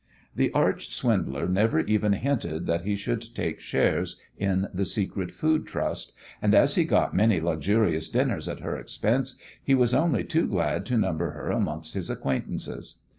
The arch swindler never even hinted that he should take shares in the secret food trust, and as he got many luxurious dinners at her expense he was only too glad to number her amongst his acquaintances.